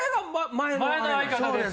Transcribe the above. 前の相方です。